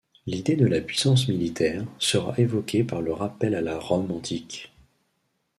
L’idée de la puissance militaire, sera évoquée par le rappel à la Rome antique.